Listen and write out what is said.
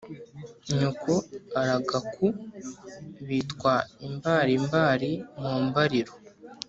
nyoko aragaku bitwa imbarimbari mu mbariro